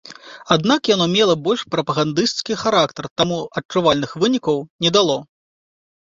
Аднак яно мела больш прапагандысцкі характар, таму адчувальных вынікаў не дало.